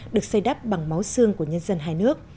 được xây đắp bằng máu xương của nhân dân hai nước